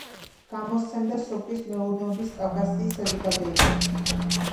გამოსცემდა სოფლის მეურნეობის კავკასიის საზოგადოება.